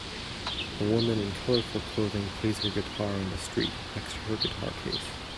A woman in colorful clothing plays her guitar in the street, next to her guitar case.